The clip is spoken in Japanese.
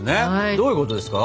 どういうことですか？